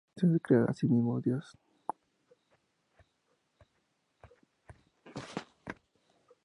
Se declara a sí mismo Dios.